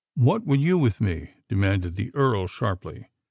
what would you with me?" demanded the Earl sharply.